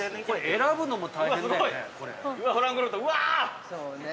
◆選ぶのも大変だよね。